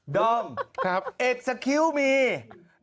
ดอมอัปปะคิวมี